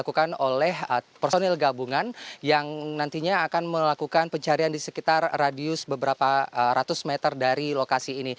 kita akan mencari di sekitar radius beberapa ratus meter dari lokasi ini